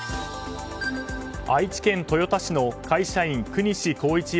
愛知県豊田市の会社員國司浩一